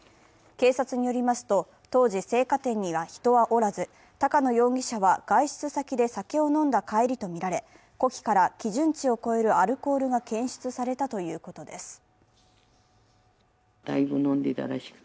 警察によりますと、当時、青果店に人はおらず、高野容疑者は外出先で酒を飲んだ帰りとみられ、呼気から基準値を超えるアルコールが検出されたということです。